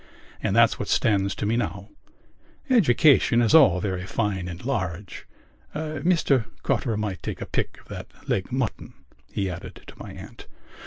And that's what stands to me now. Education is all very fine and large.... Mr Cotter might take a pick of that leg mutton," he added to my aunt.